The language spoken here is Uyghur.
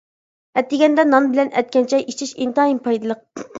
ئەتىگەندە نان بىلەن ئەتكەن چاي ئىچىش ئىنتايىن پايدىلىق.